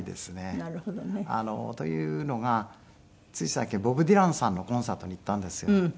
なるほどね。というのがつい最近ボブ・ディランさんのコンサートに行ったんですよ。